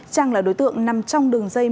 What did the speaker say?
trang là đối tượng nằm trong đường dây